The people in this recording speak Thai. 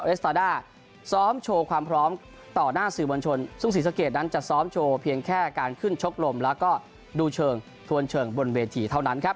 สตาด้าซ้อมโชว์ความพร้อมต่อหน้าสื่อมวลชนซึ่งศรีสะเกดนั้นจะซ้อมโชว์เพียงแค่การขึ้นชกลมแล้วก็ดูเชิงทวนเชิงบนเวทีเท่านั้นครับ